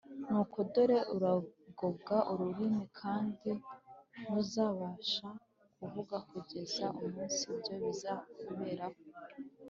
‘Nuko dore uragobwa ururimi, kandi ntuzabasha kuvuga kugeza umunsi ibyo bizakuberaho,